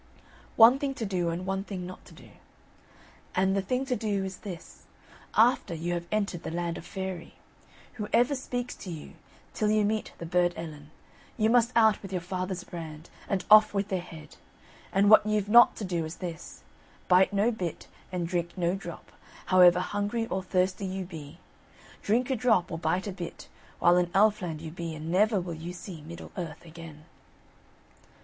One thing to do, and one thing not to do. And the thing to do is this: after you have entered the land of Fairy, whoever speaks to you, till you meet the Burd Ellen, you must out with your father's brand and off with their head. And what you've not to do is this: bite no bit, and drink no drop, however hungry or thirsty you be; drink a drop, or bite a bit, while in Elfland you be and never will you see Middle Earth again."